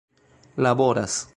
laboras